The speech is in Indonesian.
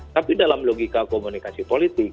tapi dalam logika komunikasi politik